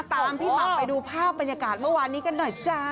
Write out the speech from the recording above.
ตามพี่หม่ำไปดูภาพบรรยากาศเมื่อวานนี้กันหน่อยจ้า